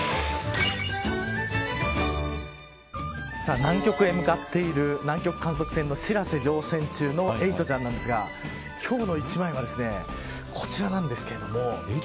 南極へ向かっている南極観測船のしらせ乗船中のエイトちゃんなんですが今日の一枚はこちらなんですけれども。